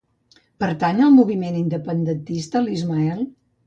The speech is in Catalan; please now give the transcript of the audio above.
Pertany al moviment independentista l'Ismael?